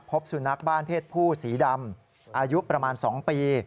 พบสุนัขบ้านเพศผู้สีดำอายุประมาณ๒ปี